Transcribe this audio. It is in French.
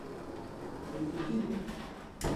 Il était pieds nus.